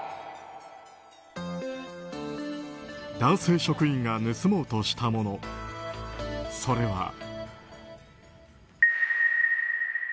男性職員が盗もうとしたものそれは。